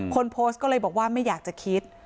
คนโพสต์ก็เลยบอกว่าไม่อยากจะคิด